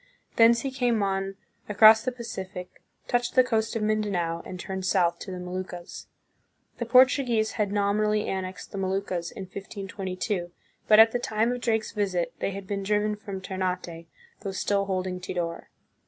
Thence he came on across the Pacific, touched the coast of Mindanao, and turned south to the Moluccas. The Portuguese had nominally annexed the Moluccas in 1522, but at the time of Drake's visit they had been driven from Ternate, though still holding Tidor.